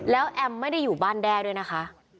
แล้วแอมไม่ได้อยู่บ้านแด้ด้วยนะคะ